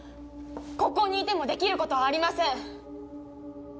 ここにいてもできることはありません。